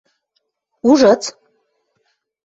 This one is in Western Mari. Ужыц?